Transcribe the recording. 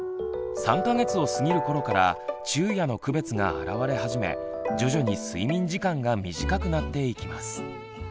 ３か月を過ぎる頃から昼夜の区別があらわれ始め徐々に睡眠時間が短くなっていきます。